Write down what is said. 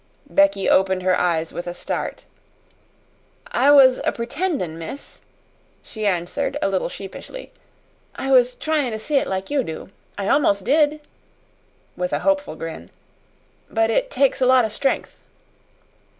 Becky opened her eyes with a start. "I was a 'pretendin',' miss," she answered a little sheepishly; "I was tryin' to see it like you do. I almost did," with a hopeful grin. "But it takes a lot o' stren'th."